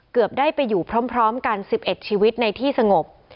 เกือบได้ไปอยู่พร้อมกัน๑๑ชีวิตในที่สงบ